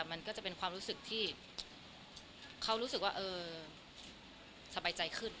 มันก็จะเป็นความรู้สึกที่เขารู้สึกว่าเออสบายใจขึ้น